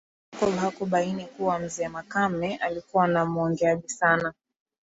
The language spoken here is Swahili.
Jacob hakubaini kuwa mzee Makame alikuwa ni muongeaji sana